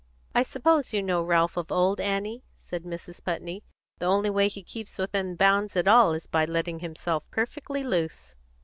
"I suppose you know Ralph of old, Annie?" said Mrs. Putney. "The only way he keeps within bounds at all is by letting himself perfectly loose."